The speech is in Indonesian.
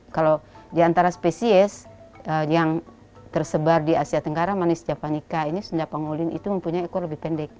kalau di antara spesies yang tersebar di asia tenggara manis javanica ini sunda pangolin itu mempunyai ekor lebih pendek